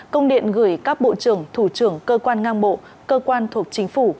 công điện gửi các bộ trưởng thủ trưởng cơ quan ngang bộ cơ quan thuộc chính phủ